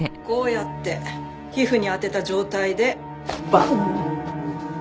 こうやって皮膚に当てた状態でバン！